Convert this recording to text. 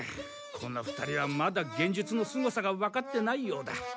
この２人はまだ幻術のすごさがわかってないようだ。